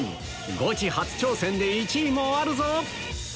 ゴチ初挑戦で１位もあるぞ！